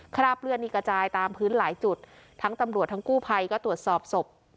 ราบเลือดนี่กระจายตามพื้นหลายจุดทั้งตำรวจทั้งกู้ภัยก็ตรวจสอบศพ